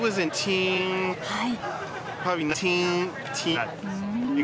はい。